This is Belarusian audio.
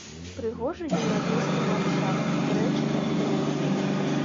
Прыгожы еўрапейскі ландшафт, рэчка, брод.